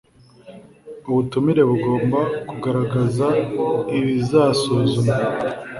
ubutumire bugomba kugaragaza ibizasuzumwa